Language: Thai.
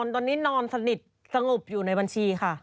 ตอนนี้นอนสนิทสงบอยู่ในบัญชีค่ะ